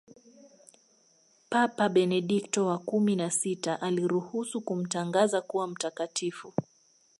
Papa Benedikto wa kumi na sita aliruhusu kumtangaza kuwa mtakatifu